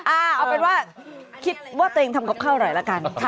อ่าเอาเป็นว่าคิดว่าตัวเองทำกับข้าวอร่อยแล้วกันค่ะ